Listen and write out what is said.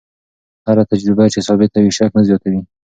هره تجربه چې ثابته وي، شک نه زیاتوي.